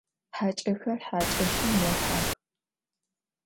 Haç'exer haç'eşım yêhex.